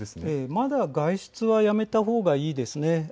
まだ外出はやめたほうがいいです。